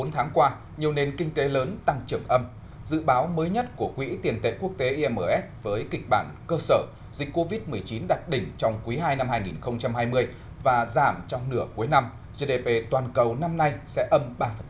bốn tháng qua nhiều nền kinh tế lớn tăng trưởng âm dự báo mới nhất của quỹ tiền tệ quốc tế imf với kịch bản cơ sở dịch covid một mươi chín đặt đỉnh trong quý ii năm hai nghìn hai mươi và giảm trong nửa cuối năm gdp toàn cầu năm nay sẽ âm ba